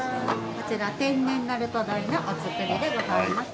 こちら天然鳴門ダイのお造りでございます。